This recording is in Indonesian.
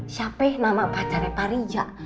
siapa nama pacarnya pak rizal